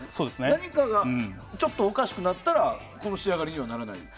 何かがおかしくなったらこの仕上がりにはならないと。